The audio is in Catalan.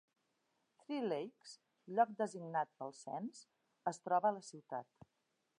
Three Lakes, lloc designat pel cens, es troba a la ciutat.